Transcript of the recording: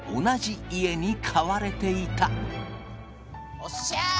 おっしゃ！